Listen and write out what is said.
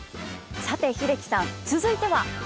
さて英樹さん続いては？